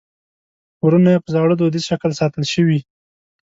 کورونه یې په زاړه دودیز شکل ساتل شوي.